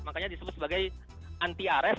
makanya disebut sebagai anti ares